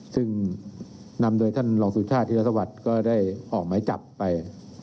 ซึ่งนำโดยท่านรองสุชาติธิรสวัสดิ์ก็ได้ออกหมายจับไป